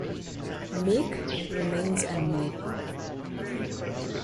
"Mick" remains unmade.